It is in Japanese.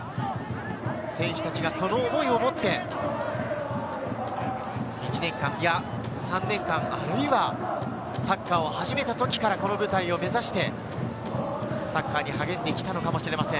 選手たちがその思いを持って、１年間、いや３年間、あるいはサッカーを始めた時からこの舞台を目指して、サッカーに励んできたのかもしれません。